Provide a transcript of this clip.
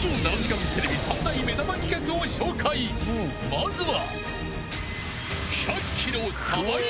［まずは］